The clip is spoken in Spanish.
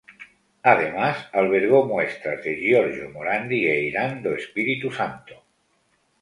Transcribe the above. Además, albergó muestras de Giorgio Morandi e Irán do Espírito Santo.